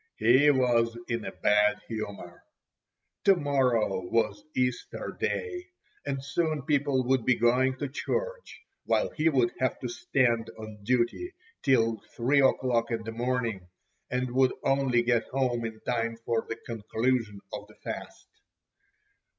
He was in a bad humour. To morrow was Easter Day, and soon people would be going to church, while he would have to stand on duty till 3 o'clock in the morning, and would only get home in time for the conclusion of the fast.